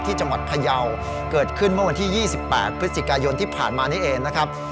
จังหวัดพยาวเกิดขึ้นเมื่อวันที่๒๘พฤศจิกายนที่ผ่านมานี้เองนะครับ